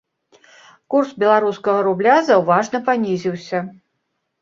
Курс беларускага рубля заўважна панізіўся.